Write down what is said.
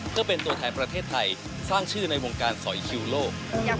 เพื่อเป็นตัวแทนประเทศไทยสร้างชื่อในวงการสอยคิวโลก